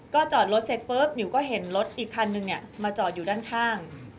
จอดรถเสร็จปุ๊บมิวก็เห็นรถอีกคันนึงมาจอดอยู่ด้านข้าง